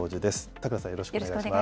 田倉さん、よろしくお願いします。